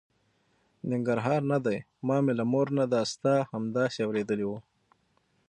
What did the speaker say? ننګرهار نه دی، ما مې له مور نه دا ستا همداسې اورېدې وه.